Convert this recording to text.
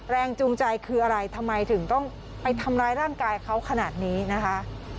แรงจูงใจคืออะไรทำไมถึงต้องไปทำร้ายร่างกายเขาขนาดนี้นะคะ